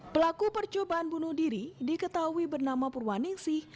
pelaku percobaan bunuh diri diketahui bernama purwaningsih